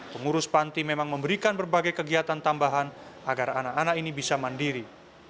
pengurus panti memang memberikan berbagai kegiatan tambahan agar anak anak ini bisa mandiri